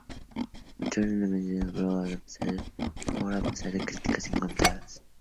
Obtuvo una nominación al Globo de Oro a pesar de críticas encontradas.